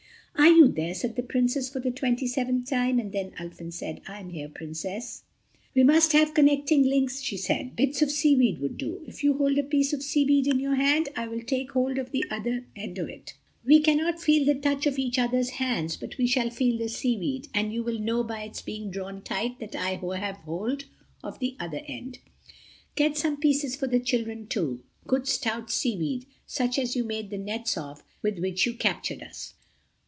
"Are you there?" said the Princess for the twenty seventh time. And then Ulfin said, "I am here, Princess." "We must have connecting links," she said—"bits of seaweed would do. If you hold a piece of seaweed in your hand I will take hold of the other end of it. We cannot feel the touch of each other's hands, but we shall feel the seaweed, and you will know, by its being drawn tight that I have hold of the other end. Get some pieces for the children, too. Good stout seaweed, such as you made the nets of with which you captured us."